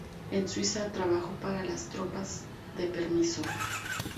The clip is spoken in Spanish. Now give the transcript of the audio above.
En Suiza trabajó para las tropas de permiso.